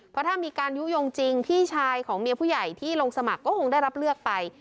เพราะถ้ามีการยุโยงจริงพี่ชายของเมียผู้ใหญ่ที่ลงสมัครก็คงได้รับเลือกไป